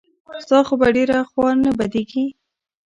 ستا خو به ډېره خوا نه بدېږي.